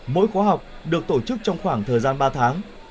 mỗi khóa học được tổ chức trong khoảng thời gian ba tháng